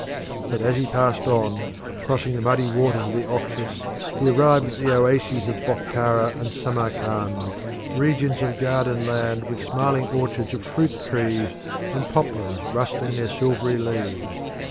But as he passed on, crossing the muddy waters of the Oxus, he arrived at the oases of Bokhara and Samarkand, regions of garden land with smiling orchards of fruit trees and poplars rustling their silvery leaves.